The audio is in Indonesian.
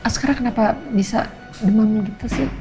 sekarang kenapa bisa demam gitu sih